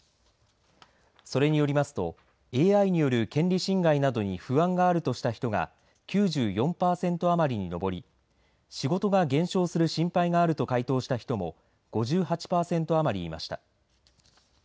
それによりますとＡＩによる権利侵害などに不安があるとした人が９４パーセント余りに上り仕事が減少する心配があると回答した人も５８パーセント余りいました。